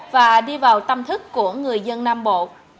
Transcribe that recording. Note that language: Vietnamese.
và đi vào tâm thức của người dân nam bộ